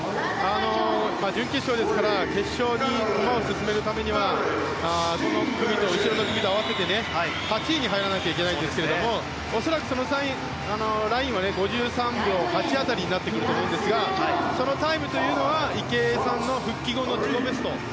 準決勝ですから決勝に駒を進めるためにはこの組と後ろの組と合わせて８位に入らなきゃいけないんですけれども恐らく、ラインは５３秒８辺りになってくると思いますがそのタイムというのは池江さんの復帰後の自己ベスト